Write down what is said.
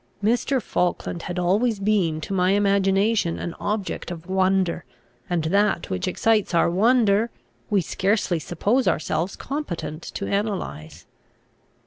Mr. Falkland had always been to my imagination an object of wonder, and that which excites our wonder we scarcely suppose ourselves competent to analyse.